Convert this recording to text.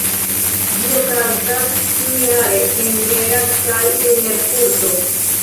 Ĝi okazas ĉiujare en Gera kaj en Erfurto.